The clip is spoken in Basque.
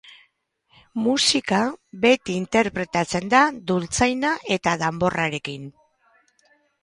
Musika beti interpretatzen da dultzaina eta danborrarekin.